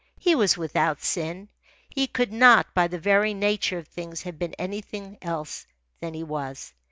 He was without sin. He could not, by the very nature of things, have been anything else than he was.